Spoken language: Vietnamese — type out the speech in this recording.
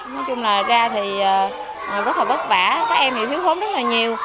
nói chung là ra thì rất là vất vả các em thì thiếu thốn rất là nhiều